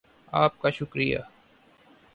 آپ کا شکریہ